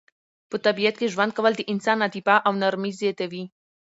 په طبیعت کې ژوند کول د انسان عاطفه او نرمي زیاتوي.